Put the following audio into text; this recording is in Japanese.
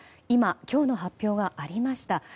今、今日の発表がありました。